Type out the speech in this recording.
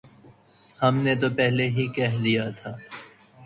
ہم نے تو پہلے ہی کہہ دیا تھا۔